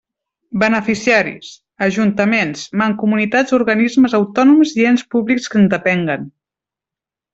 Beneficiaris: ajuntaments, mancomunitats organismes autònoms i ens públics que en depenguen.